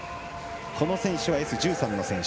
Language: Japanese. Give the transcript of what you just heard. この選手はＳ１３の選手。